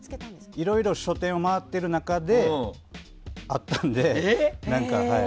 いえ、いろいろ書店を回っている中であったので。